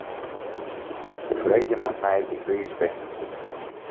Ik freegje mar nei't ik wiis bin.